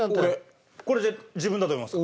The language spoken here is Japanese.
これ自分だと思いますか？